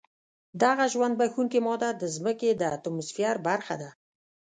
دغه ژوند بښونکې ماده د ځمکې د اتموسفیر برخه ده.